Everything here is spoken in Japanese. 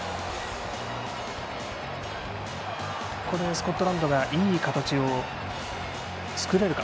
スコットランドがいい形を作れるか。